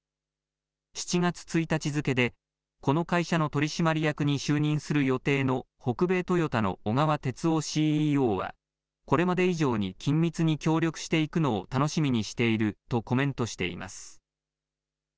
７月１日付けでこの会社の取締役に就任する予定の北米トヨタの小川哲男ＣＥＯはこれまで以上に緊密に協力していくのを楽しみにしているとコメントしています。